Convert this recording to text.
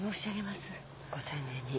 ご丁寧に。